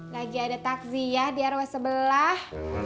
lagi ada takzi ya di arwah sebelah